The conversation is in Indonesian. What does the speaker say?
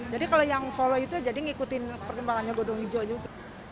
jadi kalau yang follow itu jadi ngikutin perkembangannya gunung hijau juga